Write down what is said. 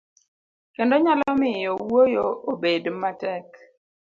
kendo nyalo miyo wuoyo obed matek.